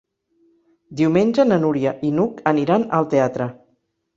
Diumenge na Núria i n'Hug aniran al teatre.